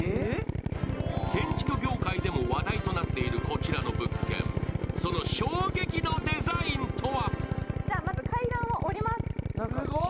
建築業界でも話題となっているこちらの物件その衝撃のデザインとは。